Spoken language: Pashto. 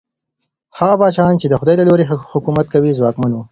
هغه پاچاهان چي د خدای له لورې حکومت کوي، ځواکمن وو.